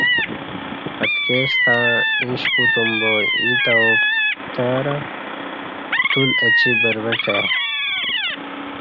اتکی ستݩع ایݩش کُوتم با ایں تاوں پترں پتول اچی بروڄہ ائ۔